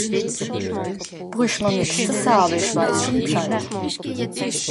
Brüch mer nix ze saje, isch weiss scho B'scheid!